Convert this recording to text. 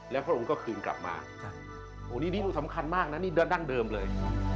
แล้วพระองค์ก็คืนกลับมาโอ้นี่นี่สำคัญมากนะนี่ดั้งเดิมเลย